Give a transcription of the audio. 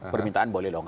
permintaan boleh loh